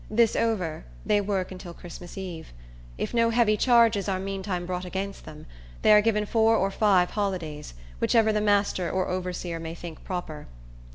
This over, they work until Christmas eve. If no heavy charges are meantime brought against them, they are given four or five holidays, whichever the master or overseer may think proper.